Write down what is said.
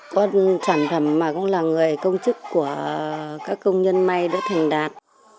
có sản phẩm mà cũng là người công chức của các công nhân may đã thành đạt